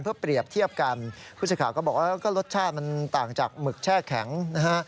เพื่อเปรียบเทียบกันผู้สื่อข่าวก็บอกว่าก็รสชาติมันต่างจากหมึกแช่แข็งนะฮะ